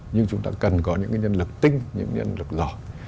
nhưng chúng ta cần có những nhân lực tinh những nhân lực rõ